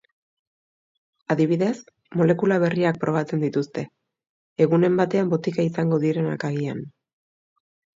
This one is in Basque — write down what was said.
Adibidez, molekula berriak probatzen dituzte, egunen batean botika izango direnak agian.